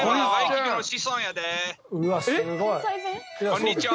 こんにちは！